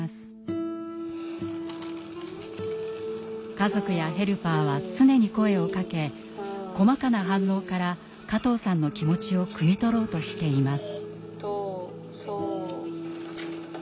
家族やヘルパーは常に声をかけ細かな反応から加藤さんの気持ちをくみ取ろうとしています。